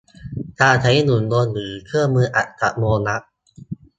การใช้หุ่นยนต์หรือเครื่องมืออัตโนมัติ